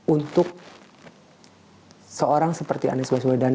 untuk seorang seperti anies baswedan